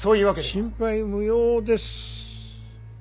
心配無用です。